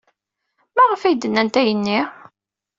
Maɣef ay d-nnant ayenni?